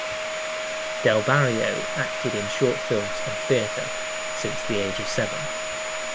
Del Barrio acted in short films and theater since the age of seven.